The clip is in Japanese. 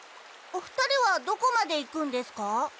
お二人はどこまで行くんですか？